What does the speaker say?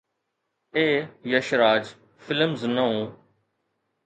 اي Yash Raj Films نئون